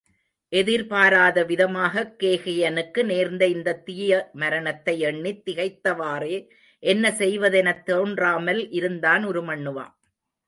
எதிர்பாராத விதமாகக் கேகயனுக்கு நேர்ந்த இந்தத் தீய மரணத்தை எண்ணித் திகைத்தவாறே என்ன செய்வதெனத் தோன்றாமல் இருந்தான் உருமண்ணுவா.